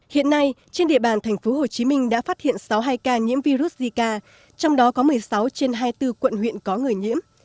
hiện nay trên địa bàn tp hcm đã phát hiện sáu mươi hai ca nhiễm virus zika trong đó có một mươi sáu trên hai mươi bốn quận huyện có người nhiễm